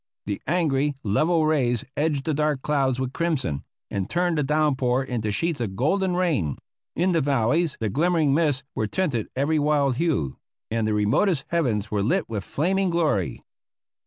The angry, level rays edged the dark clouds with crimson, and turned the downpour into sheets of golden rain; in the valleys the glimmering mists were tinted every wild hue; and the remotest heavens were lit with flaming glory.